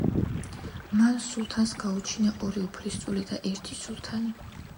მან სულთანს გაუჩინა ორი უფლისწული და ერთი სულთანი.